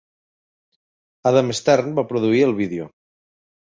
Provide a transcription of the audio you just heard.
Adam Stern va produir el vídeo.